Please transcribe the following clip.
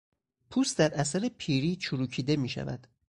پوست در اثر پیری چروکیده میشود.